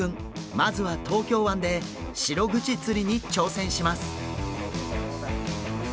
まずは東京湾でシログチ釣りに挑戦します！